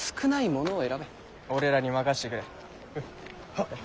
はっ。